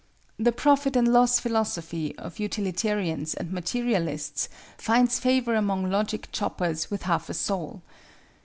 The profit and loss philosophy of Utilitarians and Materialists finds favor among logic choppers with half a soul.